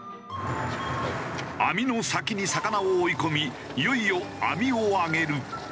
網の先に魚を追い込みいよいよ網を揚げる。